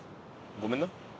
ごめんな。